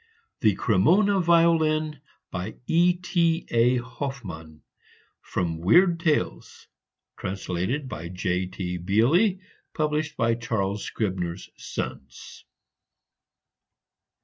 THE CREMONA VIOLIN BY E.T.A. HOFFMANN From "Weird Tales," translated by J.T. Beally. Published by Charles Scribner's Sons.